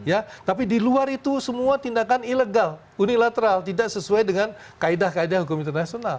ya tapi di luar itu semua tindakan ilegal unilateral tidak sesuai dengan kaedah kaedah hukum internasional